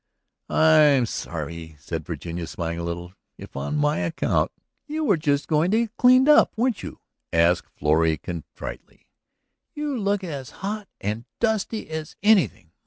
"I am sorry," said Virginia, smiling a little, "if on my account ..." "You were just going to get cleaned up, weren't you?" asked Florrie contritely. "You look as hot and dusty as anything.